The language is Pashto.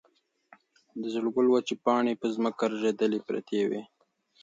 د زېړ ګل وچې پاڼې په ځمکه رژېدلې پرتې وې.